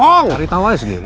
saya ditawain sendiri